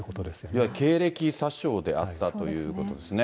いわゆる経歴詐称であったということですね。